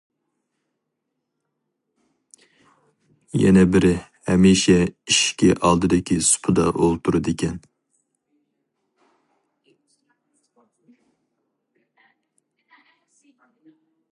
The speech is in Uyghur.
يەنە بىرى ھەمىشە ئىشىكى ئالدىدىكى سۇپىدا ئولتۇرىدىكەن.